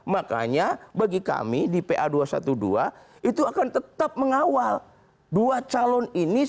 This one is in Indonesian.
makanya bagi kami di pa dua ratus dua belas itu akan tetap mengawal dua calon ini